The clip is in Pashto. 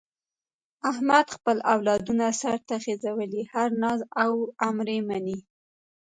احمد خپل اولادونه سرته خېژولي، هر ناز او امر یې مني.